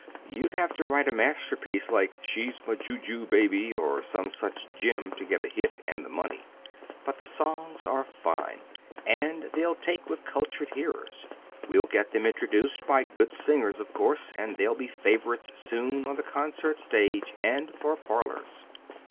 You'd have to write a masterpiece like 'She's my Ju Ju Baby' or some such gem to get the 'hit' and the money. But the songs are fine, and they'll take with cultured hearers. We'll get them introduced by good singers, of course, and they'll be favorites soon for the concert stage, and for parlors."